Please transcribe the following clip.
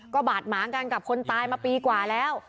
ก็บาดหมางกันกับคนตายมาปีกว่าแล้ว